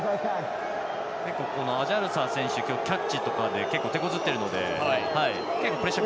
結構、アジャルサ選手キャッチとかで結構てこずってるのでプレッシャー